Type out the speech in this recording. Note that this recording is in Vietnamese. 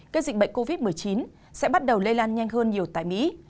các dịch bệnh covid một mươi chín sẽ bắt đầu lây lan nhanh hơn nhiều tại mỹ